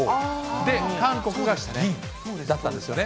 で、韓国が銀だったんですよね。